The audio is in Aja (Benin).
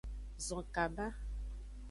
Zon kaba.